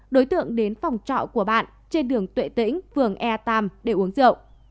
đối tượng đến phòng trọ của bạn trên đường tuệ tĩnh vườn e ba để uống rượu